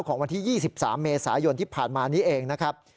วันที่๒๓เมษายนที่ผ่านมานี้เองนะครับ